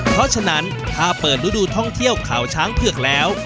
เพราะฉะนั้นถ้าเปิดฤดูท่องเที่ยวเขาช้างเผือกแล้ว